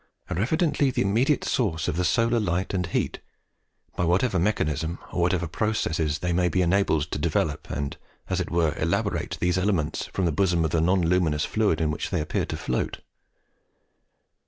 are evidently THE IMMEDIATE SOURCES OF THE SOLAR LIGHT AND HEAT, by whatever mechanism or whatever processes they may be enabled to develope and, as it were, elaborate these elements from the bosom of the non luminous fluid in which they appear to float.